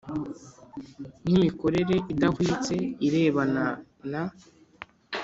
n imikorere idahwitse irebana na